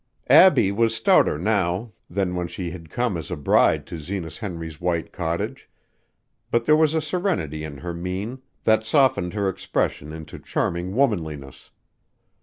Abbie was stouter now than when she had come as a bride to Zenas Henry's white cottage, but there was a serenity in her mien that softened her expression into charming womanliness.